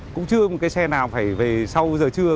cũng chưa một cái xe nào phải về sau giờ trưa